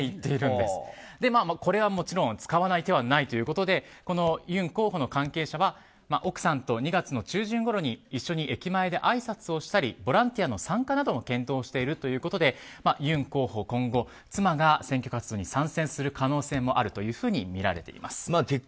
これはもちろん、使わない手はないということでこのユン候補の関係者は奥さんと２月の中旬ごろに一緒に駅前であいさつをしたりボランティアの参加なども検討しているということでユン候補は今後妻が選挙活動に参加する可能性もあるとみられています。